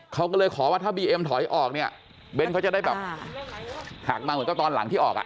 เขาก็เลยขอว่าถ้าบีเอ็มถอยออกเนี่ยเบ้นเขาจะได้แบบหักมาเหมือนกับตอนหลังที่ออกอ่ะ